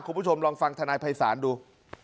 คุณผู้ชมลองฟังธนายภัยศาลดู